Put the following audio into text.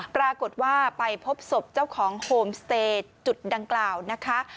ปรากฏว่าไปพบศพเจ้าของโฮมสเตย์จุดดังกล่าวนะคะ